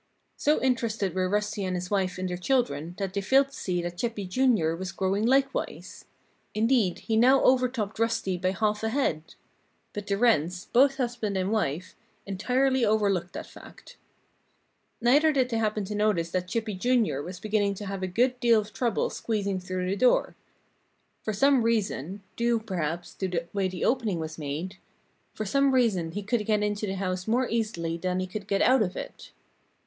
So interested were Rusty and his wife in their children that they failed to see that Chippy, Jr., was growing likewise. Indeed, he now overtopped Rusty by half a head. But the Wrens both husband and wife entirely overlooked that fact. Neither did they happen to notice that Chippy, Jr., was beginning to have a good deal of trouble squeezing through the door. For some reason due, perhaps, to the way the opening was made for some reason he could get into the house more easily than he could get out of it.